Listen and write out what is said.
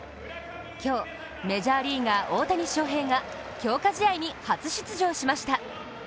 今日、メジャーリーガー・大谷翔平が強化試合に初出場しました。